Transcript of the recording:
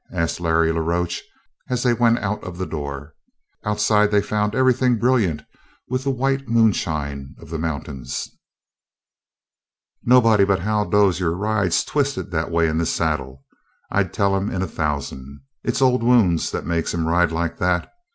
asked Larry la Roche, as they went out of the door. Outside they found everything brilliant with the white moonshine of the mountains. "Nobody but Hal Dozier rides twistin' that way in the saddle. I'd tell him in a thousand. It's old wounds that makes him ride like that.